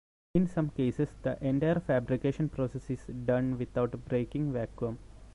In some cases the entire fabrication process is done without breaking vacuum.